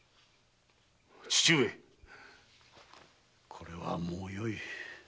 これはもうよい。